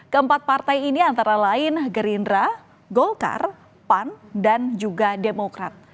keempat partai ini antara lain gerindra golkar pan dan juga demokrat